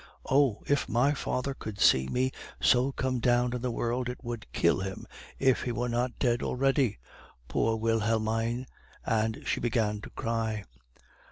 Oh! if my father could see me so come down in the world, it would kill him if he were not dead already! Poor Wilhelmine!' and she began to cry.